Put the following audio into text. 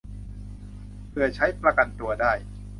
เผื่อใช้ประกันตัวได้